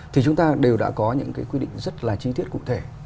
thì chúng ta đều đã có những cái quy định rất là chi tiết cụ thể